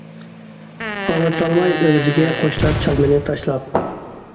ئاڭلىتالماي ئۆگزىگە، قوشلاپ چالمىنى تاشلاپ.